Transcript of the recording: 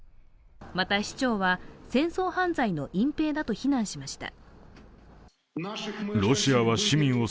また市長は、戦争犯罪の隠蔽だと非難しました。